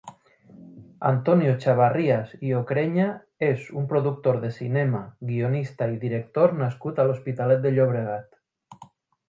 Antonio Chavarrías i Ocreña és un productor de cinema, guionista i director nascut a l'Hospitalet de Llobregat.